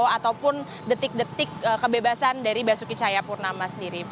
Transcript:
ataupun detik detik kebebasan dari basuki caya purnama sendiri